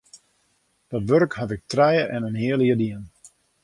Dat wurk haw ik trije en in heal jier dien.